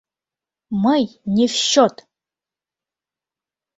Мый — не в счёт!